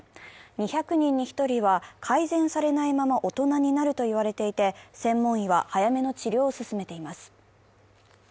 ２００人に１人は改善されないまま大人になると言われていて、専門医は早めの治療を勧めています。